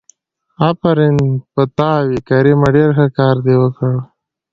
آفرين دې په تا وي کريمه ډېر ښه کار دې وکړ.